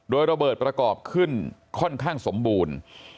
โดยระเบิดประกอบขึ้นค่อนข้างสมบูรณ์